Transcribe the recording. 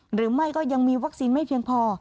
หรือไม่ก็ยังมีวัคซีนไม่เพียงพอ